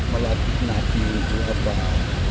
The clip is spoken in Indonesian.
melatih nafi juhat baha